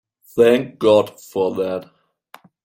Thank God for that!